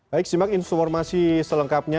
baik simak informasi selengkapnya